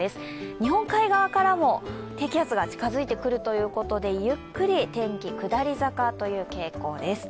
日本海側からも低気圧が近づいてくるということで、ゆっくり天気、下り坂という傾向です。